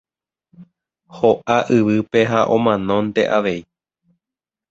Ho'a yvýpe ha omanónte avei.